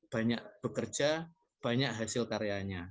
banyak bekerja banyak hasil karyanya